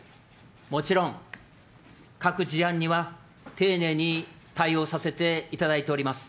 もちろん、各事案には、丁寧に対応させていただいております。